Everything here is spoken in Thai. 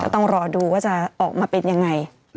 ต้องรอดูว่าจะออกมาเป็นยังไง